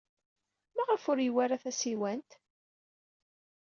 Maɣef ur yewwi ara tasiwant?